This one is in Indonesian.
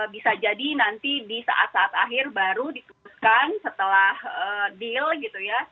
bisa jadi nanti di saat saat akhir baru diteruskan setelah deal gitu ya